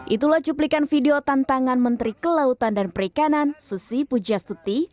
itulah cuplikan video tantangan menteri kelautan dan perikanan susi pujastuti